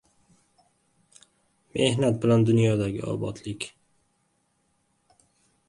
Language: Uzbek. Mehnat bilan dunyodagi obodlik!